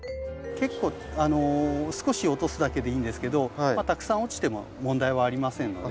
少し落とすだけでいいんですけどまあたくさん落ちても問題はありませんので。